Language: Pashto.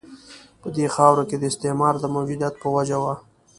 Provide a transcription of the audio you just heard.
په دې خاورو کې د استعمار د موجودیت په وجه وه.